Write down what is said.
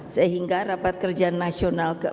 sehingga rapat kerja nasional ke empat ini